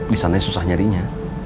disananya susah nyarinya